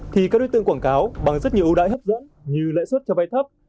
thì các đối tượng quảng cáo bằng rất nhiều ưu đãi hấp dẫn như lợi xuất cho vay thấp